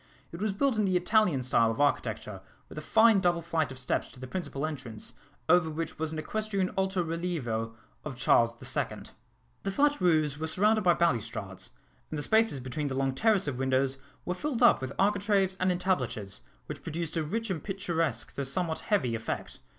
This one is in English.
It was built in the Italian style of architecture, with a fine double flight of steps to the principal entrance, over which was an equestrian alto relievo of Charles the Second. The flat roofs were surrounded by balustrades, and the spaces between the long terrace of windows were filled up with architraves and entablatures, which produced a rich and picturesque though somewhat heavy effect.